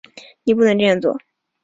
你不能这样做